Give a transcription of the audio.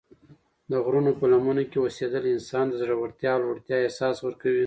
د غرونو په لمنو کې اوسېدل انسان ته د زړورتیا او لوړتیا احساس ورکوي.